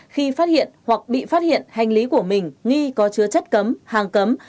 khi phát hiện hoặc bị phát hiện hành lý của mình nghi có chứa chất cấm hàng cấm